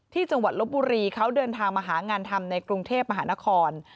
จังหวัดลบบุรีเขาเดินทางมาหางานทำในกรุงเทพมหานคร